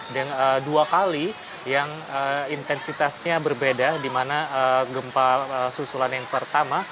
dengan dua kali yang intensitasnya berbeda di mana gempa susulan yang pertama